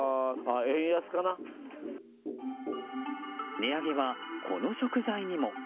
値上げは、この食材にも。